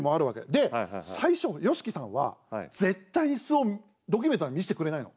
で、最初ＹＯＳＨＩＫＩさんは絶対に素をドキュメントは見せてくれないの。